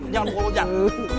jangan pukul ujang